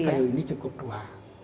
tapi kayu ini cukup tua